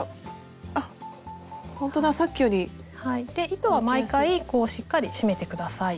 糸は毎回こうしっかり締めて下さい。